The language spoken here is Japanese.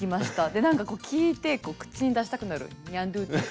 でなんかこう聞いて口に出したくなるニャンドゥティって。